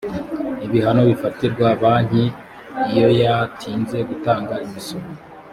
ibihano bifatirwa banki iyoyatinze gutanga imisoro.